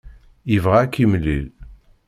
Yebɣa ad k-yemlil.